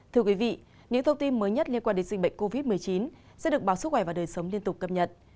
thưa quý vị những thông tin mới nhất liên quan đến dịch bệnh covid một mươi chín sẽ được báo sức khỏe và đời sống liên tục cập nhật